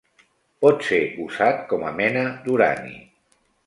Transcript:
Pot ser usat com a mena d'urani.